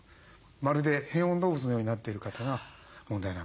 まるで変温動物のようになっている方が問題なんです。